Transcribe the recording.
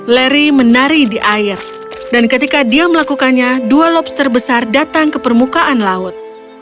lari menari di air dan ketika dia melakukannya dua lobster besar datang ke permukaan laut